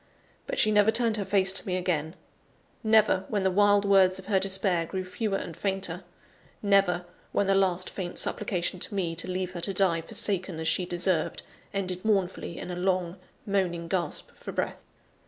But she never turned her face to me again; never, when the wild words of her despair grew fewer and fainter; never, when the last faint supplication to me, to leave her to die forsaken as she deserved, ended mournfully in a long, moaning gasp for breath.